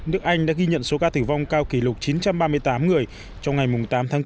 nước anh đã ghi nhận số ca tử vong cao kỷ lục chín trăm ba mươi tám người trong ngày tám tháng bốn